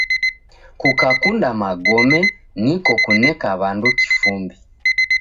Kukakunda magome niko kuneka w'andu kifumbi.